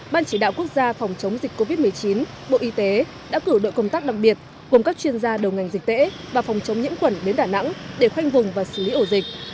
ban chỉ đạo quốc gia phòng chống dịch covid một mươi chín bộ y tế đã cử đội công tác đặc biệt gồm các chuyên gia đầu ngành dịch tễ và phòng chống nhiễm quẩn đến đà nẵng để khoanh vùng và xử lý ổ dịch